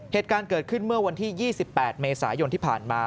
เหตุการณ์เกิดขึ้นเมื่อวันที่๒๘เมษายนที่ผ่านมา